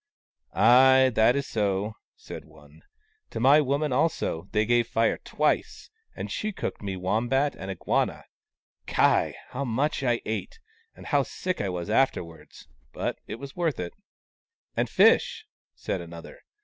" Ay, that is so," said one. "To my woman also, they gave Fire twice, and she cooked me wom bat and iguana. Ky ! how much I ate, and how sick I was afterwards ! But it was worth it." " And fish !" said another.